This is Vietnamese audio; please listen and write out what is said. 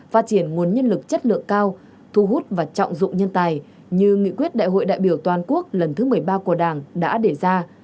phát triển nguồn nhân lực chất lượng cao thu hút và trọng dụng nhân tài như nghị quyết đại hội đại biểu toàn quốc lần thứ một mươi ba của đảng đã đề ra